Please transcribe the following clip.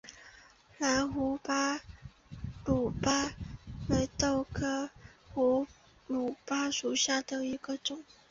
蓝胡卢巴为豆科胡卢巴属下的一个种。